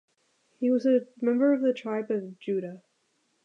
He was a member of the Tribe of Judah.